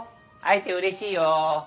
会えてうれしいよ。